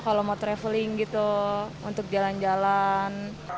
kalau mau traveling gitu untuk jalan jalan